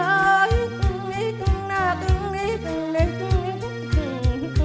พ่อชาลีชมนางมัศสีเน่แม่กันทุ่งระยะอุ้มอุ้ม